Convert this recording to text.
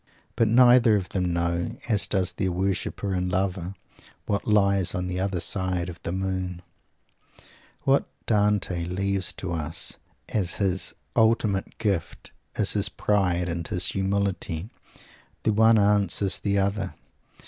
But neither of them know, as does their worshiper and lover, what lies on the other side of the moon. What Dante leaves to us as his ultimate gift is his pride and his humility. The one answers the other.